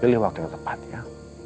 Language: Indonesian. pilih waktu yang tepat ya